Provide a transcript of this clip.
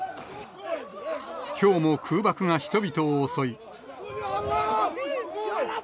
きょうも空爆が人々を襲い。